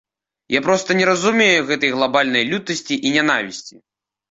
Я проста не разумею гэтай глабальнай лютасці і нянавісці.